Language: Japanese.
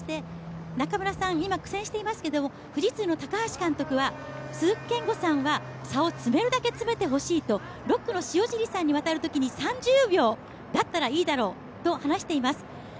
中村さん、今苦戦していますけれども、富士通の高橋監督は鈴木健吾さんは差を詰めるだけ詰めてほしい、６区の塩尻さんに渡るときに３０秒だったらいいだろうと話しています。